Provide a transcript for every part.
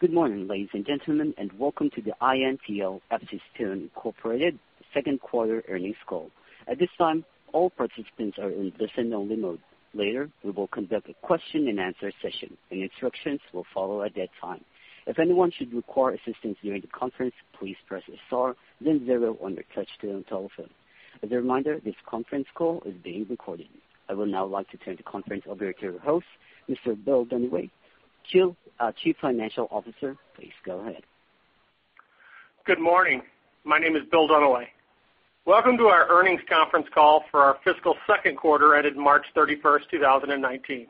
Good morning, ladies and gentlemen, and welcome to the INTL FCStone Inc. second quarter earnings call. At this time, all participants are in listen only mode. Later, we will conduct a question and answer session, and instructions will follow at that time. If anyone should require assistance during the conference, please press star then zero on your touchtone telephone. As a reminder, this conference call is being recorded. I would now like to turn the conference over to your host, Mr. Bill Dunaway, Chief Financial Officer. Please go ahead. Good morning. My name is Bill Dunaway. Welcome to our earnings conference call for our fiscal second quarter, ended March 31, 2019.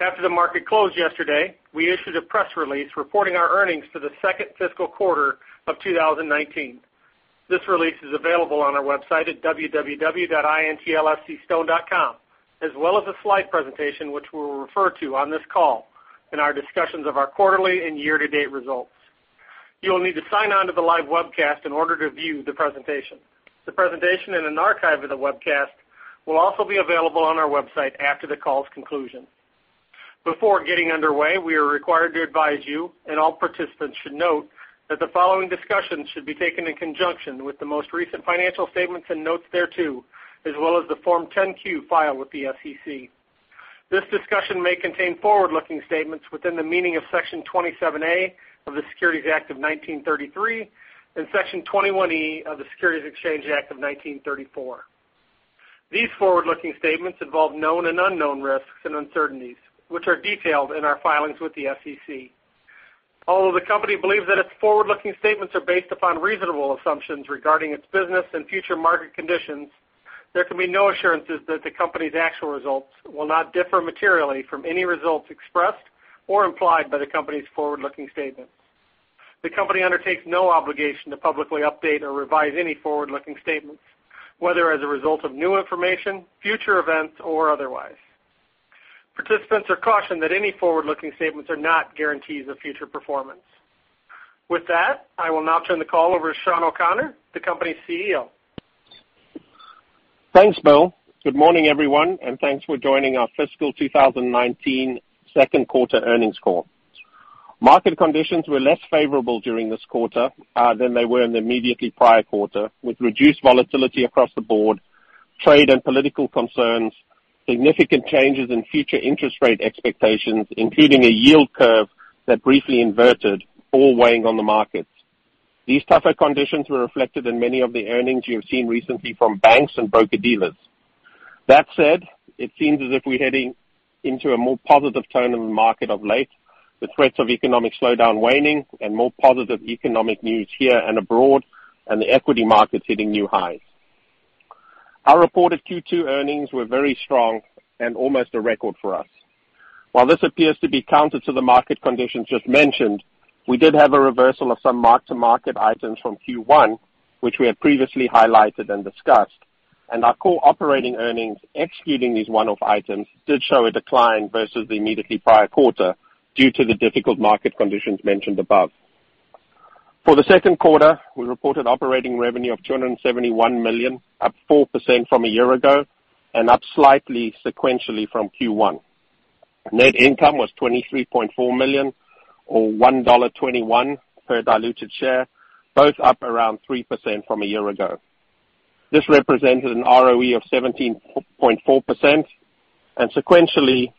After the market closed yesterday, we issued a press release reporting our earnings for the second fiscal quarter of 2019. This release is available on our website at www.intlfcstone.com, as well as a slide presentation, which we will refer to on this call in our discussions of our quarterly and year-to-date results. You will need to sign on to the live webcast in order to view the presentation. The presentation and an archive of the webcast will also be available on our website after the call's conclusion. Before getting underway, we are required to advise you, all participants should note, that the following discussion should be taken in conjunction with the most recent financial statements and notes thereto, as well as the Form 10-Q filed with the SEC. This discussion may contain forward-looking statements within the meaning of Section 27A of the Securities Act of 1933 and Section 21E of the Securities Exchange Act of 1934. These forward-looking statements involve known and unknown risks and uncertainties, which are detailed in our filings with the SEC. Although the company believes that its forward-looking statements are based upon reasonable assumptions regarding its business and future market conditions, there can be no assurances that the company's actual results will not differ materially from any results expressed or implied by the company's forward-looking statements. The company undertakes no obligation to publicly update or revise any forward-looking statements, whether as a result of new information, future events, or otherwise. Participants are cautioned that any forward-looking statements are not guarantees of future performance. With that, I will now turn the call over to Sean O'Connor, the company's CEO. Thanks, Bill. Good morning, everyone, and thanks for joining our fiscal 2019 second quarter earnings call. Market conditions were less favorable during this quarter than they were in the immediately prior quarter, with reduced volatility across the board, trade and political concerns, significant changes in future interest rate expectations, including a yield curve that briefly inverted, all weighing on the markets. These tougher conditions were reflected in many of the earnings you have seen recently from banks and broker-dealers. It seems as if we're heading into a more positive tone in the market of late, the threats of economic slowdown waning and more positive economic news here and abroad, and the equity markets hitting new highs. Our reported Q2 earnings were very strong and almost a record for us. While this appears to be counter to the market conditions just mentioned, we did have a reversal of some mark-to-market items from Q1, which we had previously highlighted and discussed, and our core operating earnings, excluding these one-off items, did show a decline versus the immediately prior quarter due to the difficult market conditions mentioned above. For the second quarter, we reported operating revenue of $271 million, up 4% from a year ago and up slightly sequentially from Q1. Net income was $23.4 million or $1.21 per diluted share, both up around 3% from a year ago. This represented an ROE of 17.4%, and sequentially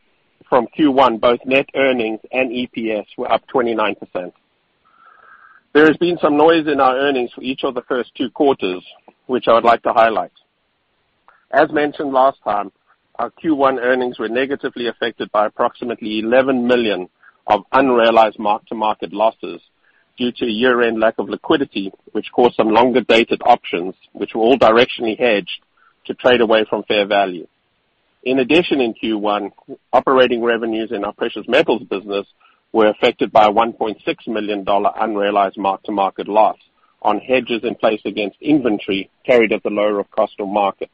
from Q1, both net earnings and EPS were up 29%. There has been some noise in our earnings for each of the first two quarters, which I would like to highlight. As mentioned last time, our Q1 earnings were negatively affected by approximately $11 million of unrealized mark-to-market losses due to a year-end lack of liquidity, which caused some longer-dated options, which were all directionally hedged, to trade away from fair value. In addition, in Q1, operating revenues in our precious metals business were affected by a $1.6 million unrealized mark-to-market loss on hedges in place against inventory carried at the lower of cost or market.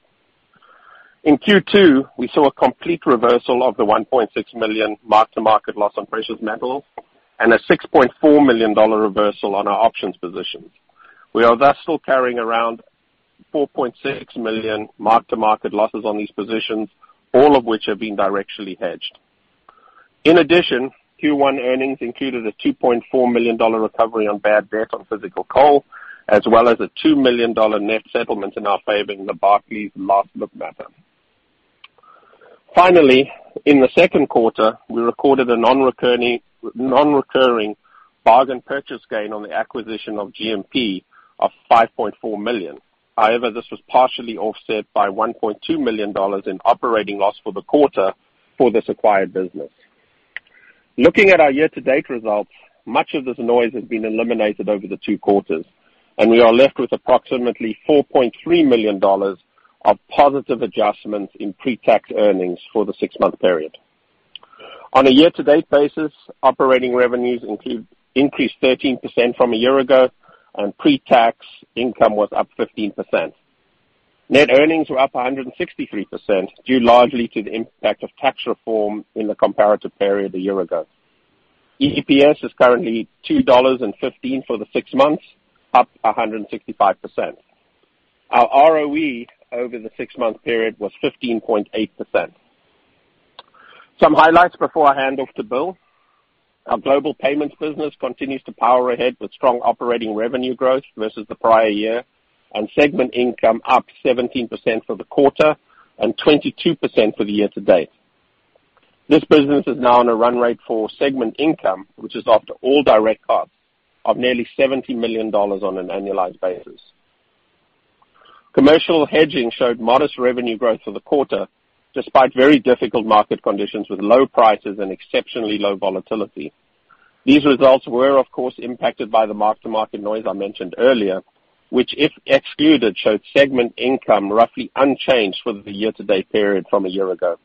In Q2, we saw a complete reversal of the $1.6 million mark-to-market loss on precious metals and a $6.4 million reversal on our options positions. We are thus still carrying around $4.6 million mark-to-market losses on these positions, all of which have been directionally hedged. In addition, Q1 earnings included a $2.4 million recovery on bad debt on physical coal, as well as a $2 million net settlement in our favor in the Barclays last look matter. Finally, in the second quarter, we recorded a non-recurring bargain purchase gain on the acquisition of GMP of $5.4 million. This was partially offset by $1.2 million in operating loss for the quarter for this acquired business. Looking at our year-to-date results, much of this noise has been eliminated over the two quarters, and we are left with approximately $4.3 million of positive adjustments in pre-tax earnings for the six-month period. On a year-to-date basis, operating revenues increased 13% from a year ago, and pre-tax income was up 15%. Net earnings were up 163% due largely to the impact of tax reform in the comparative period a year ago. EPS is currently $2.15 for the six months, up 165%. Our ROE over the six-month period was 15.8%. Some highlights before I hand off to Bill. Our global payments business continues to power ahead with strong operating revenue growth versus the prior year, and segment income up 17% for the quarter and 22% for the year-to-date. This business is now on a run rate for segment income, which is after all direct costs, of nearly $70 million on an annualized basis. Commercial hedging showed modest revenue growth for the quarter, despite very difficult market conditions with low prices and exceptionally low volatility. These results were, of course, impacted by the mark-to-market noise I mentioned earlier, which if excluded, showed segment income roughly unchanged for the year-to-date period from a year ago.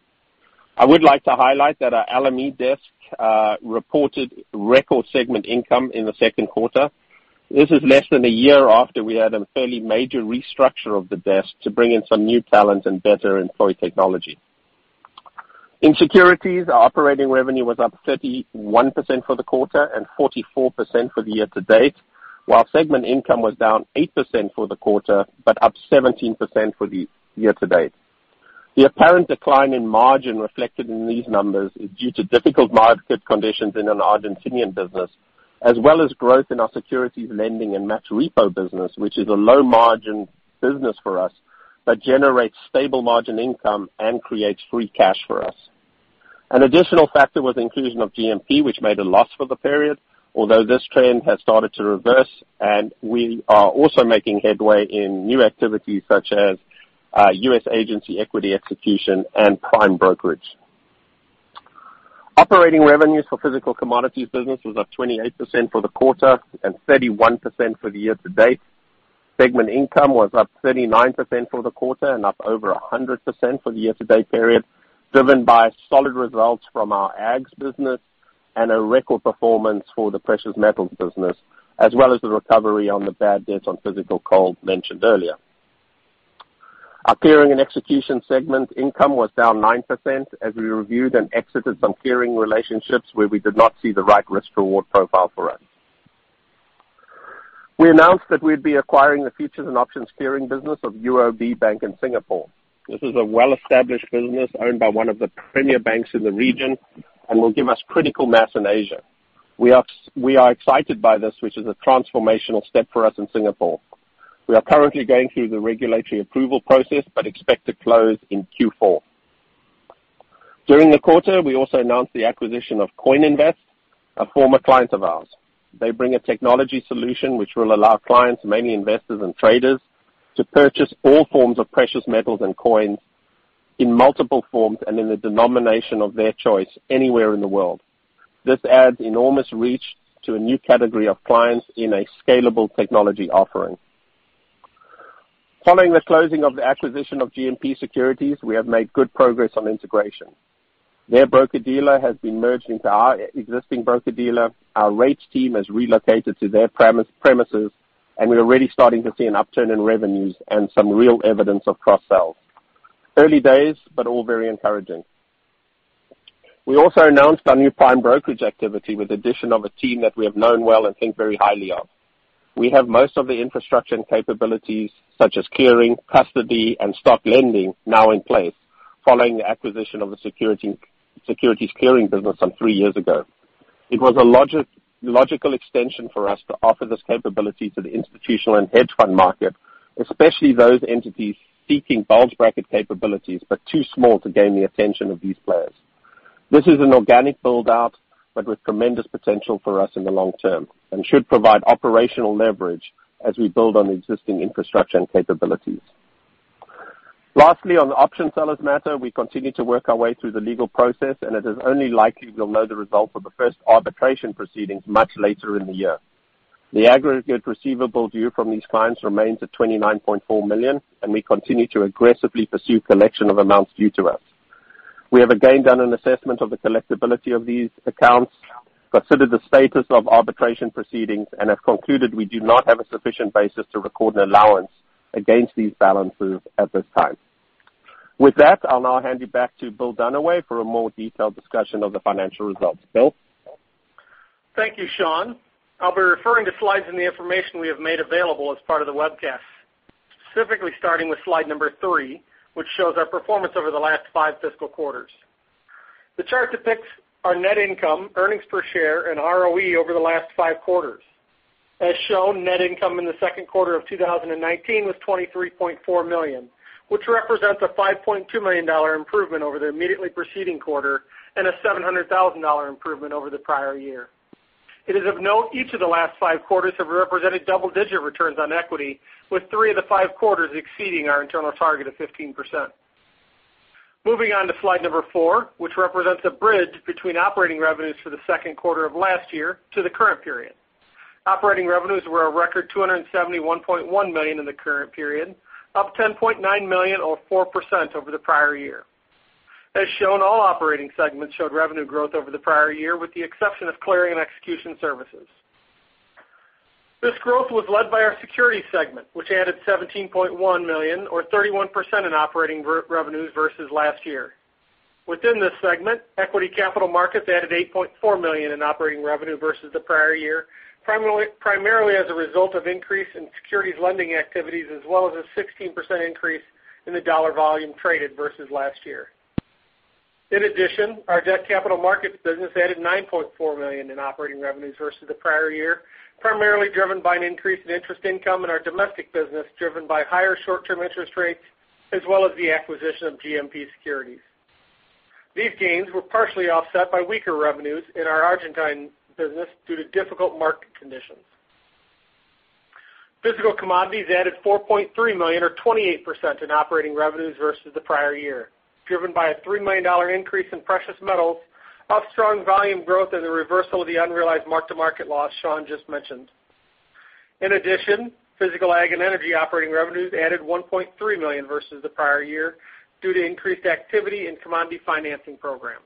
I would like to highlight that our LME desk reported record segment income in the second quarter. This is less than a year after we had a fairly major restructure of the desk to bring in some new talent and better employee technology. In securities, our operating revenue was up 31% for the quarter and 44% for the year-to-date, while segment income was down 8% for the quarter, but up 17% for the year-to-date. The apparent decline in margin reflected in these numbers is due to difficult market conditions in an Argentinian business, as well as growth in our securities lending and match repo business, which is a low-margin business for us but generates stable margin income and creates free cash for us. An additional factor was the inclusion of GMP, which made a loss for the period, although this trend has started to reverse, and we are also making headway in new activities such as U.S. agency equity execution, and prime brokerage. Operating revenues for physical commodities business was up 28% for the quarter and 31% for the year-to-date. Segment income was up 39% for the quarter and up over 100% for the year-to-date period, driven by solid results from our ags business and a record performance for the precious metals business, as well as the recovery on the bad debts on physical coal mentioned earlier. Our clearing and execution segment income was down 9% as we reviewed and exited some clearing relationships where we did not see the right risk-to-reward profile for us. We announced that we'd be acquiring the futures and options clearing business of UOB Bank in Singapore. This is a well-established business owned by one of the premier banks in the region and will give us critical mass in Asia. We are excited by this, which is a transformational step for us in Singapore. We are currently going through the regulatory approval process but expect to close in Q4. During the quarter, we also announced the acquisition of CoinInvest, a former client of ours. They bring a technology solution which will allow clients, mainly investors and traders, to purchase all forms of precious metals and coins in multiple forms and in the denomination of their choice anywhere in the world. This adds enormous reach to a new category of clients in a scalable technology offering. Following the closing of the acquisition of GMP Securities, we have made good progress on integration. Their broker-dealer has been merged into our existing broker-dealer. Our rates team has relocated to their premises, and we are already starting to see an upturn in revenues and some real evidence of cross-sales. Early days, but all very encouraging. We also announced our new prime brokerage activity with the addition of a team that we have known well and think very highly of. We have most of the infrastructure and capabilities such as clearing, custody, and stock lending now in place following the acquisition of the securities clearing business some three years ago. It was a logical extension for us to offer this capability to the institutional and hedge fund market, especially those entities seeking bulge bracket capabilities, but too small to gain the attention of these players. This is an organic build-out but with tremendous potential for us in the long term and should provide operational leverage as we build on existing infrastructure and capabilities. Lastly, on the option sellers matter, we continue to work our way through the legal process, and it is only likely we'll know the result of the first arbitration proceedings much later in the year. The aggregate receivable due from these clients remains at $29.4 million, and we continue to aggressively pursue collection of amounts due to us. We have, again, done an assessment of the collectibility of these accounts, considered the status of arbitration proceedings, and have concluded we do not have a sufficient basis to record an allowance against these balances at this time. With that, I'll now hand you back to Bill Dunaway for a more detailed discussion of the financial results. Bill? Thank you, Sean. I'll be referring to slides and the information we have made available as part of the webcast. Specifically starting with slide number three, which shows our performance over the last five fiscal quarters. The chart depicts our net income, EPS, and ROE over the last five quarters. As shown, net income in the second quarter of 2019 was $23.4 million, which represents a $5.2 million improvement over the immediately preceding quarter and a $700,000 improvement over the prior year. It is of note, each of the last five quarters have represented double-digit returns on equity, with three of the five quarters exceeding our internal target of 15%. Moving on to slide number four, which represents a bridge between operating revenues for the second quarter of last year to the current period. Operating revenues were a record $271.1 million in the current period, up $10.9 million or 4% over the prior year. As shown, all operating segments showed revenue growth over the prior year, with the exception of Clearing and Execution Services. This growth was led by our Securities segment, which added $17.1 million or 31% in operating revenues versus last year. Within this segment, Equity Capital Markets added $8.4 million in operating revenue versus the prior year, primarily as a result of increase in securities lending activities, as well as a 16% increase in the dollar volume traded versus last year. Our Debt Capital Markets business added $9.4 million in operating revenues versus the prior year, primarily driven by an increase in interest income in our domestic business, driven by higher short-term interest rates, as well as the acquisition of GMP Securities. These gains were partially offset by weaker revenues in our Argentine business due to difficult market conditions. Physical Commodities added $4.3 million or 28% in operating revenues versus the prior year, driven by a $3 million increase in precious metals, up strong volume growth and the reversal of the unrealized mark-to-market loss Sean just mentioned. Physical Ag and Energy operating revenues added $1.3 million versus the prior year due to increased activity in commodity financing programs.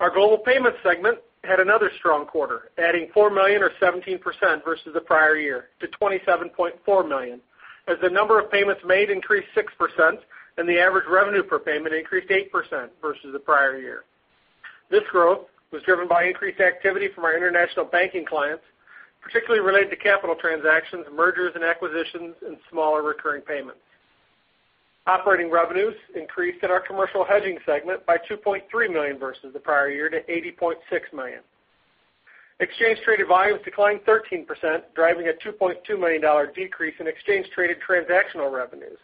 Our Global Payments segment had another strong quarter, adding $4 million or 17% versus the prior year to $27.4 million, as the number of payments made increased 6% and the average revenue per payment increased 8% versus the prior year. This growth was driven by increased activity from our international banking clients, particularly related to capital transactions, mergers & acquisitions, and smaller recurring payments. Operating revenues increased in our Commercial Hedging segment by $2.3 million versus the prior year to $80.6 million. Exchange traded volumes declined 13%, driving a $2.2 million decrease in exchange traded transactional revenues.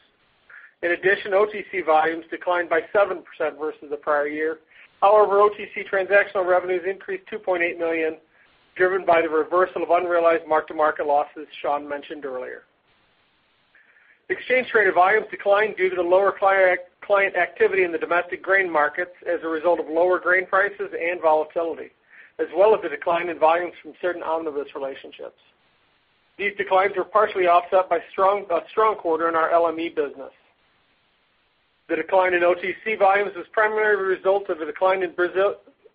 OTC volumes declined by 7% versus the prior year. However, OTC transactional revenues increased $2.8 million, driven by the reversal of unrealized mark-to-market losses Sean mentioned earlier. Exchange traded volumes declined due to the lower client activity in the domestic grain markets as a result of lower grain prices and volatility, as well as the decline in volumes from certain omnibus relationships. These declines were partially offset by a strong quarter in our LME business. The decline in OTC volumes is primarily a result of the decline in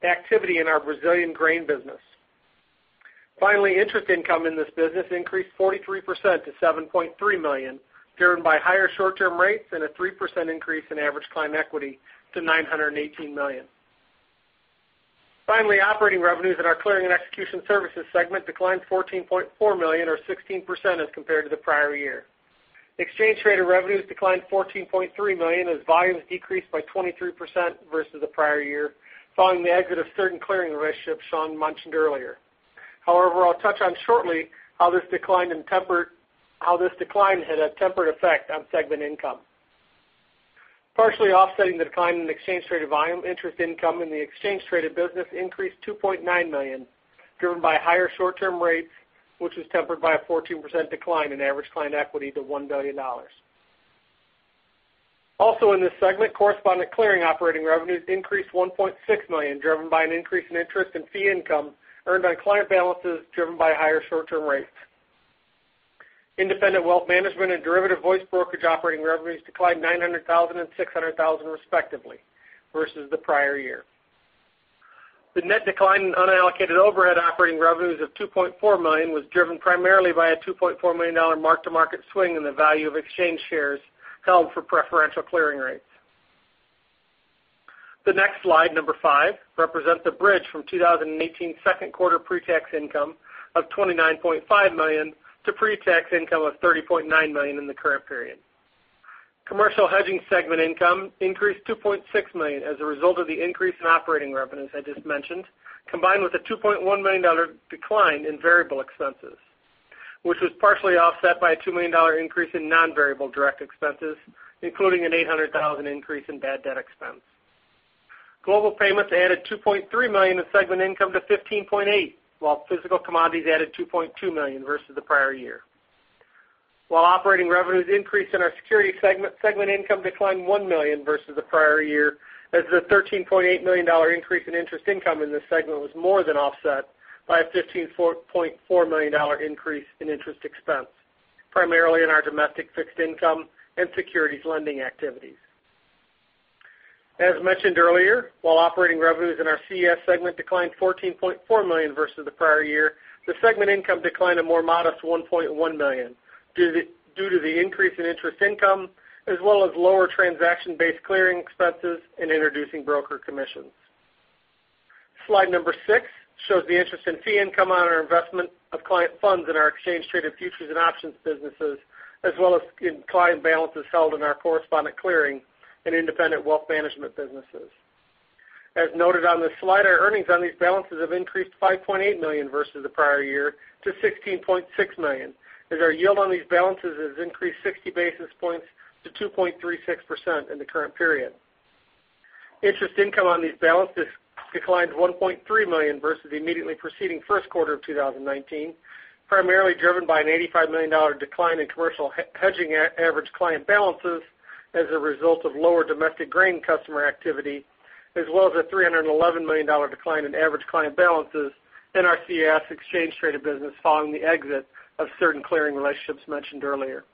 activity in our Brazilian grain business. Interest income in this business increased 43% to $7.3 million, driven by higher short-term rates and a 3% increase in average client equity to $918 million. Operating revenues in our Clearing and Execution Services segment declined $14.4 million or 16% as compared to the prior year. Exchange traded revenues declined $14.3 million as volumes decreased by 23% versus the prior year, following the exit of certain clearing relationships Sean mentioned earlier. However, I'll touch on shortly how this decline had a tempered effect on segment income. Partially offsetting the decline in exchange traded volume, interest income in the exchange traded business increased $2.9 million, driven by higher short-term rates, which was tempered by a 14% decline in average client equity to $1 billion. Also in this segment, Correspondent Clearing operating revenues increased $1.6 million, driven by an increase in interest in fee income earned on client balances, driven by higher short-term rates. Independent Wealth Management and Derivative Voice Brokerage operating revenues declined $900,000 and $600,000 respectively, versus the prior year. The net decline in unallocated overhead operating revenues of $2.4 million was driven primarily by a $2.4 million mark-to-market swing in the value of exchange shares held for preferential clearing rates. The next slide, number five, represents the bridge from 2018 second quarter pre-tax income of $29.5 million to pre-tax income of $30.9 million in the current period. Commercial Hedging segment income increased $2.6 million as a result of the increase in operating revenues I just mentioned, combined with a $2.1 million decline in variable expenses, which was partially offset by a $2 million increase in non-variable direct expenses, including an $800,000 increase in bad debt expense. Global Payments added $2.3 million in segment income to $15.8 million, while Physical Commodities added $2.2 million versus the prior year. While operating revenues increased in our Security segment income declined $1 million versus the prior year, as the $13.8 million increase in interest income in this segment was more than offset by a $15.4 million increase in interest expense, primarily in our domestic fixed income and securities lending activities. As mentioned earlier, while operating revenues in our CES segment declined $14.4 million versus the prior year, the segment income declined a more modest $1.1 million due to the increase in interest income, as well as lower transaction-based clearing expenses and introducing broker commissions. Slide number six shows the interest in fee income on our investment of client funds in our exchange traded futures and options businesses, as well as in client balances held in our Correspondent Clearing and Independent Wealth Management businesses. As noted on this slide, our earnings on these balances have increased $5.8 million versus the prior year to $16.6 million, as our yield on these balances has increased 60 basis points to 2.36% in the current period. Interest income on these balances declined $1.3 million versus the immediately preceding first quarter of 2019, primarily driven by an $85 million decline in Commercial Hedging average client balances as a result of lower domestic grain customer activity, as well as a $311 million decline in average client balances in our CES exchange traded business following the exit of certain clearing relationships mentioned earlier.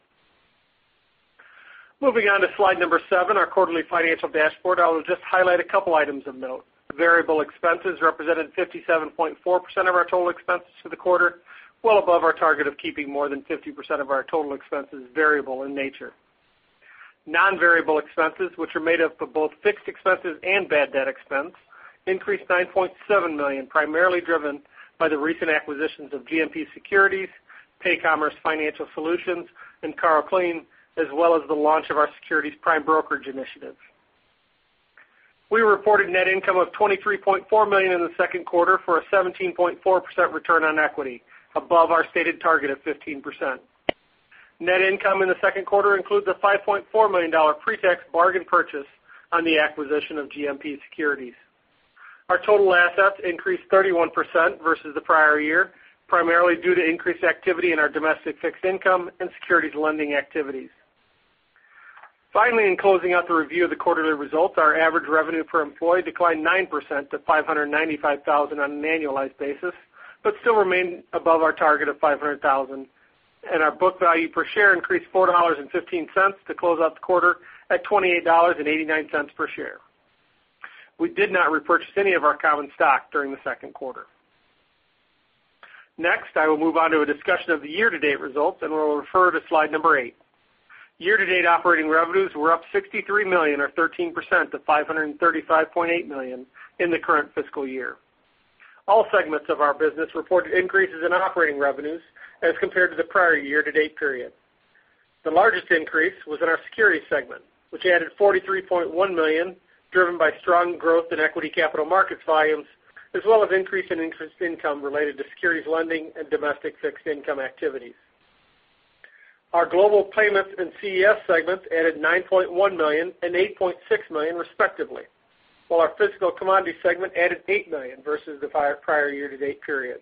Moving on to slide number seven, our quarterly financial dashboard. I will just highlight a couple items of note. Variable expenses represented 57.4% of our total expenses for the quarter. Well above our target of keeping more than 50% of our total expenses variable in nature. Non-variable expenses, which are made up of both fixed expenses and bad debt expense, increased to $9.7 million, primarily driven by the recent acquisitions of GMP Securities, PayCommerce Financial Solutions, and Carl Kliem, as well as the launch of our securities prime brokerage initiative. We reported net income of $23.4 million in the second quarter for a 17.4% return on equity, above our stated target of 15%. Net income in the second quarter includes a $5.4 million pre-tax bargain purchase on the acquisition of GMP Securities. Our total assets increased 31% versus the prior year, primarily due to increased activity in our domestic fixed income and securities lending activities. In closing out the review of the quarterly results, our average revenue per employee declined 9% to $595,000 on an annualized basis, but still remained above our target of $500,000, and our book value per share increased to $4.15 to close out the quarter at $28.89 per share. We did not repurchase any of our common stock during the second quarter. I will move on to a discussion of the year-to-date results, and we will refer to slide number eight. Year-to-date operating revenues were up $63 million or 13% to $535.8 million in the current fiscal year. All segments of our business reported increases in operating revenues as compared to the prior year-to-date period. The largest increase was in our securities segment, which added $43.1 million, driven by strong growth in Equity Capital Markets volumes, as well as increase in interest income related to securities lending and domestic fixed income activities. Our global payments and CES segments added $9.1 million and $8.6 million respectively, while our physical commodity segment added $8 million versus the prior year-to-date period.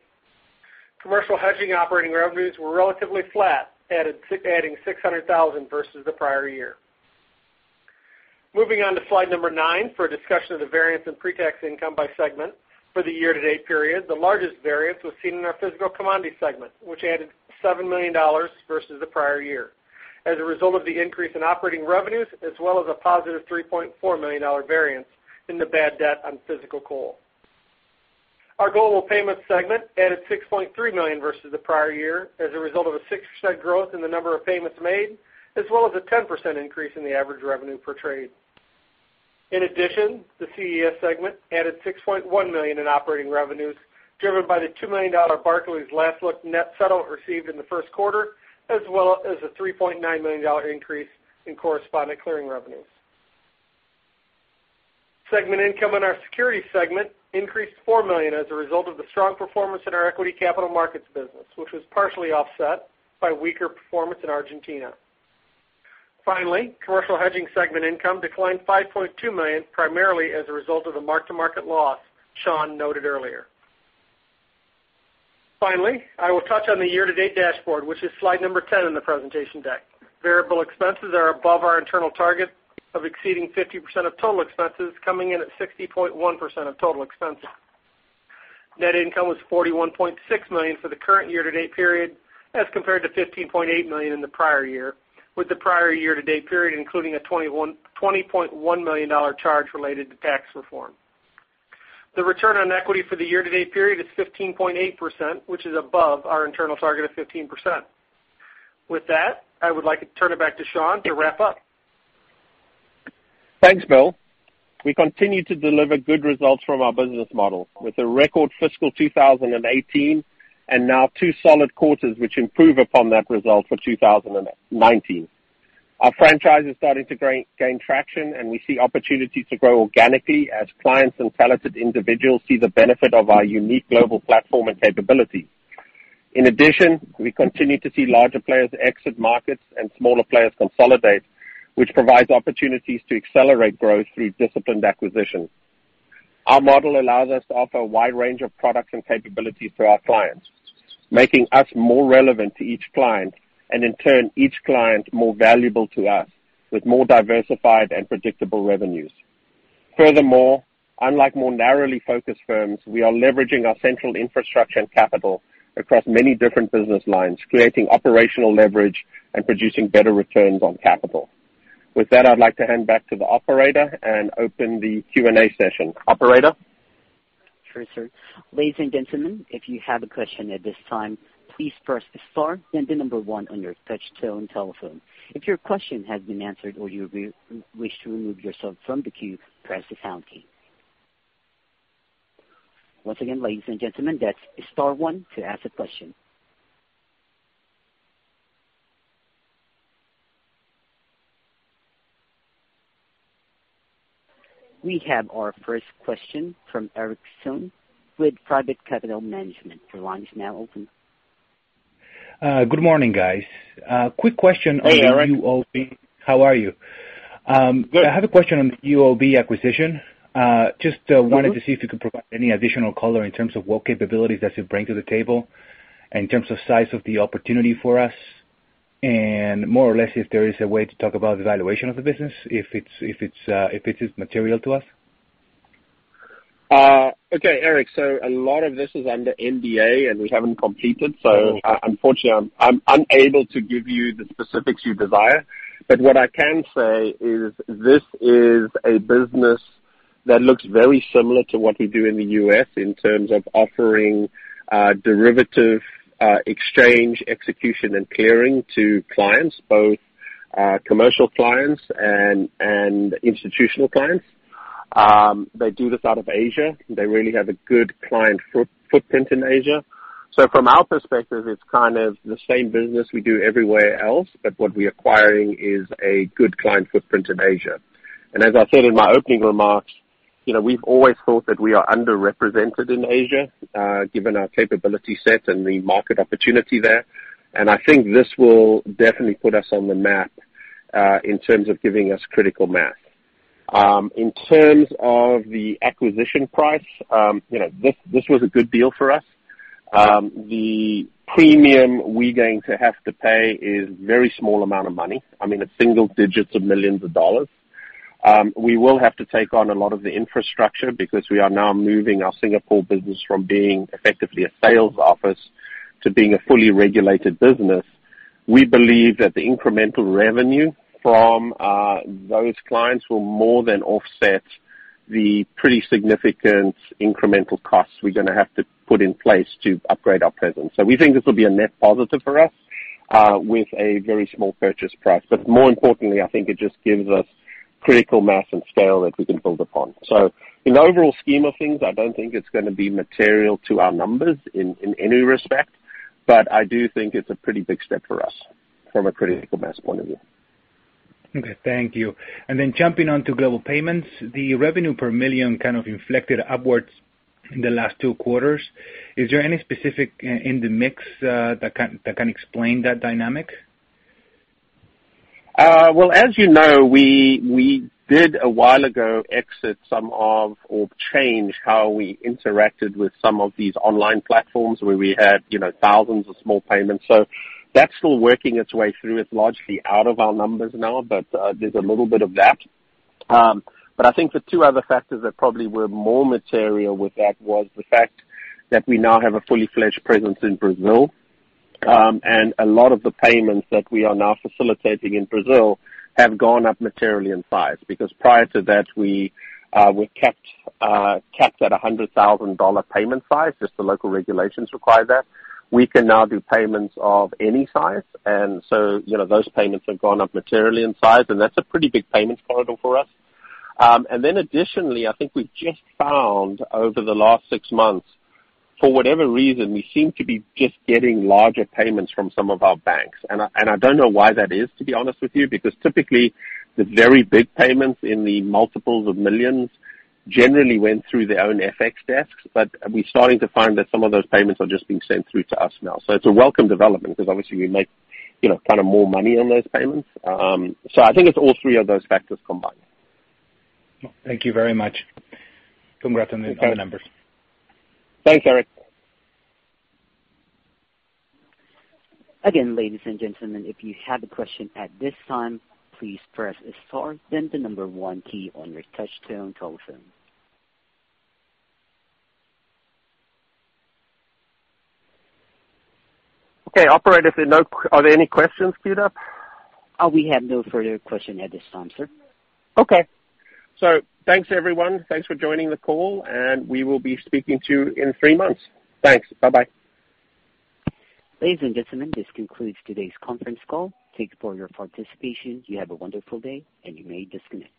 Commercial hedging operating revenues were relatively flat, adding $600,000 versus the prior year. Moving on to slide number nine for a discussion of the variance in pre-tax income by segment for the year-to-date period. The largest variance was seen in our physical commodity segment, which added $7 million versus the prior year, as a result of the increase in operating revenues, as well as a positive $3.4 million variance in the bad debt on physical coal. Our global payments segment added $6.3 million versus the prior year as a result of a 6% growth in the number of payments made, as well as a 10% increase in the average revenue per trade. The CES segment added $6.1 million in operating revenues, driven by the $2 million Barclays last look net settle received in the first quarter, as well as a $3.9 million increase in correspondent clearing revenues. Segment income in our securities segment increased to $4 million as a result of the strong performance in our Equity Capital Markets business, which was partially offset by weaker performance in Argentina. Commercial hedging segment income declined $5.2 million, primarily as a result of the mark-to-market loss Sean noted earlier. I will touch on the year-to-date dashboard, which is slide number 10 in the presentation deck. Variable expenses are above our internal target of exceeding 50% of total expenses, coming in at 60.1% of total expenses. Net income was $41.6 million for the current year-to-date period as compared to $15.8 million in the prior year, with the prior year-to-date period including a $20.1 million charge related to tax reform. The return on equity for the year-to-date period is 15.8%, which is above our internal target of 15%. With that, I would like to turn it back to Sean to wrap up. Thanks, Bill. We continue to deliver good results from our business model with a record fiscal 2018, now two solid quarters, which improve upon that result for 2019. Our franchise is starting to gain traction. We see opportunities to grow organically as clients and talented individuals see the benefit of our unique global platform and capabilities. In addition, we continue to see larger players exit markets and smaller players consolidate, which provides opportunities to accelerate growth through disciplined acquisition. Our model allows us to offer a wide range of products and capabilities to our clients, making us more relevant to each client, and in turn, each client more valuable to us with more diversified and predictable revenues. Furthermore, unlike more narrowly focused firms, we are leveraging our central infrastructure and capital across many different business lines, creating operational leverage and producing better returns on capital. With that, I'd like to hand back to the operator and open the Q&A session. Operator? Sure, sir. Ladies and gentlemen, if you have a question at this time, please press star then the number 1 on your touchtone telephone. If your question has been answered or you wish to remove yourself from the queue, press the pound key. Once again, ladies and gentlemen, that's star 1 to ask a question. We have our first question from Erick Sönne with Private Capital Management. Your line is now open. Good morning, guys. Quick question on the UOB. Hey, Erick. How are you? Good. I have a question on the UOB acquisition. Just wanted to see if you could provide any additional color in terms of what capabilities does it bring to the table, in terms of size of the opportunity for us, and more or less if there is a way to talk about the valuation of the business, if it is material to us. Okay, Erick. A lot of this is under NDA and we haven't completed. Unfortunately, I'm unable to give you the specifics you desire. What I can say is this is a business that looks very similar to what we do in the U.S. in terms of offering derivative exchange execution and clearing to clients, both commercial clients and institutional clients. They do this out of Asia. They really have a good client footprint in Asia. From our perspective, it's the same business we do everywhere else, but what we're acquiring is a good client footprint in Asia. As I said in my opening remarks, we've always thought that we are underrepresented in Asia, given our capability set and the market opportunity there. I think this will definitely put us on the map in terms of giving us critical mass. In terms of the acquisition price, this was a good deal for us. The premium we're going to have to pay is very small amount of money. It's single digits of millions of dollars. We will have to take on a lot of the infrastructure because we are now moving our Singapore business from being effectively a sales office to being a fully regulated business. We believe that the incremental revenue from those clients will more than offset the pretty significant incremental costs we're going to have to put in place to upgrade our presence. We think this will be a net positive for us with a very small purchase price. More importantly, I think it just gives us critical mass and scale that we can build upon. In the overall scheme of things, I don't think it's going to be material to our numbers in any respect. I do think it's a pretty big step for us from a critical mass point of view. Okay. Thank you. Jumping on to global payments, the revenue per million kind of inflected upwards in the last two quarters. Is there any specific in the mix that can explain that dynamic? Well, as you know, we did a while ago exit some of, or change how we interacted with some of these online platforms where we had thousands of small payments. That's still working its way through. It's largely out of our numbers now, but there's a little bit of that. I think the two other factors that probably were more material with that was the fact that we now have a fully fledged presence in Brazil. A lot of the payments that we are now facilitating in Brazil have gone up materially in size, because prior to that, we capped at $100,000 payment size, just the local regulations require that. We can now do payments of any size. Those payments have gone up materially in size, and that's a pretty big payments corridor for us. Additionally, I think we've just found over the last six months, for whatever reason, we seem to be just getting larger payments from some of our banks. I don't know why that is, to be honest with you, because typically the very big payments in the multiples of millions generally went through their own FX desks. We're starting to find that some of those payments are just being sent through to us now. It's a welcome development because obviously we make more money on those payments. I think it's all three of those factors combined. Thank you very much. Congrats on the final numbers. Thanks, Erick. Again, ladies and gentlemen, if you have a question at this time, please press star then the number one key on your touch-tone telephone. Okay. Operator, are there any questions queued up? We have no further question at this time, sir. Okay. Thanks, everyone. Thanks for joining the call, and we will be speaking to you in three months. Thanks. Bye-bye. Ladies and gentlemen, this concludes today's conference call. Thank you for your participation. You have a wonderful day, and you may disconnect.